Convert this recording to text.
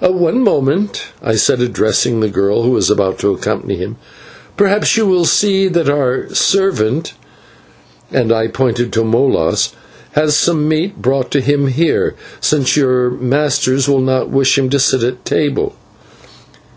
"One moment," I said addressing the girl, who was about to accompany him, "perhaps you will see that our servant," and I pointed to Molas, "has some meat brought to him here, since your masters will not wish him to sit at table."